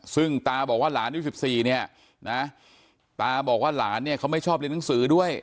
ซึ่งตาบอกว่าหลานอายุ๑๔เนี่ยนะตาบอกว่าหลานเนี่ยเขาไม่ชอบเรียนหนังสือด้วย